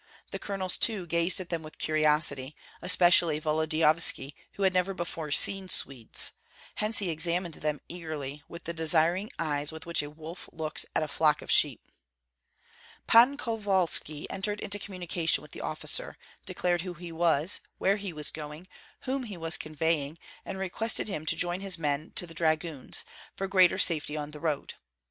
The colonels too gazed at them with curiosity, especially Volodyovski, who had never before seen Swedes; hence he examined them eagerly with the desiring eyes with which a wolf looks at a flock of sheep. Pan Kovalski entered into communication with the officer, declared who he was, where he was going, whom he was conveying, and requested him to join his men to the dragoons, for greater safety on the road.